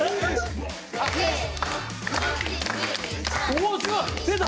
おおすごい！出た！